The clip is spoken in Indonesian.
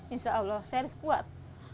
insya allah saya harus kuat